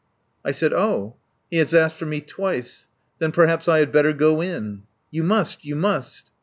I said: "Oh! He has asked for me twice. Then perhaps I had better go in." "You must! You must!"